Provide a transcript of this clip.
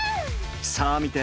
さあ見て！